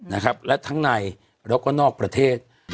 นะครับและทั้งในแล้วก็นอกประเทศ